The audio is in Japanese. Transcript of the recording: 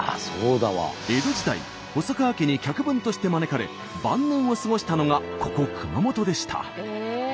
江戸時代細川家に客分として招かれ晩年を過ごしたのがここ熊本でした。